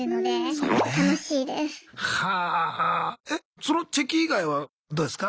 そのチェキ以外はどうですか？